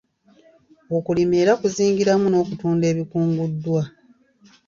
Okulima era kuzingiramu n'okutunda ebikunguddwa.